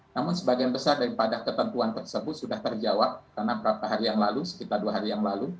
namun sebagian besar daripada ketentuan tersebut sudah terjawab karena beberapa hari yang lalu sekitar dua hari yang lalu